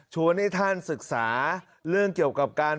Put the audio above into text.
ให้ท่านศึกษาเรื่องเกี่ยวกับการ